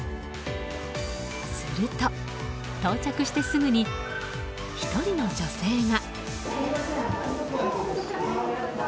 すると、到着してすぐに１人の女性が。